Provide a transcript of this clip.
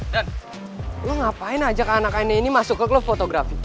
dan lo ngapain ajak anak anak ini masuk ke club fotografi